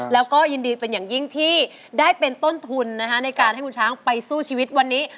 แล้วก็ยินดีเป็นอย่างยิ่งที่ได้เป็นต้นทุนในการให้คุณช้างไปสู้ชีวิตวันนี้